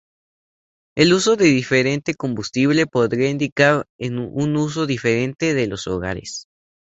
El uso de diferente combustible podría indicar un uso diferente de los hogares.